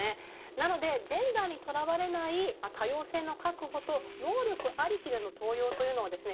なのでジェンダーにとらわれない多様性の確保と能力ありきでの登用というのはですね